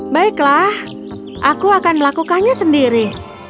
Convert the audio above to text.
baiklah aku akan melakukannya sendiri